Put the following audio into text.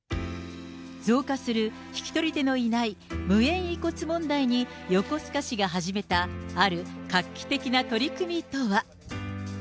増加する引き取り手のいない無縁遺骨問題に横須賀市が始めたある画期的な取り組みとは。